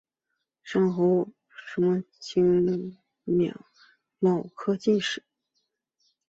胡商彝是清朝光绪癸卯科进士。